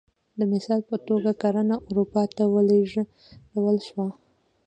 د مثال په توګه کرنه اروپا ته ولېږدول شوه